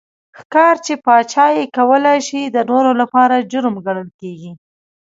ښکار چې پاچا یې کولای شي د نورو لپاره جرم ګڼل کېږي.